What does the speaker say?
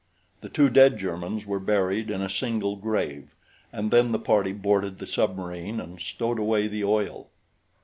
The two dead Germans were buried in a single grave, and then the party boarded the submarine and stowed away the oil.